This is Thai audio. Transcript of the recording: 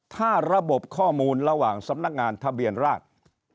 ถ้าระบบข้อมูลระหว่างสำนักงานทะเบียนราช